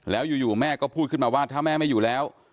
แล้วอยู่แม่ก็พูดขึ้นมาว่าถ้าแม่ไม่อยู่แล้ว